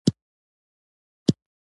د ژمي سړې څپې یې ونې سپېرې کړې وې.